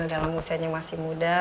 dalam usianya masih muda